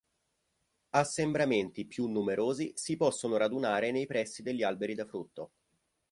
Assembramenti più numerosi si possono radunare nei pressi degli alberi da frutto.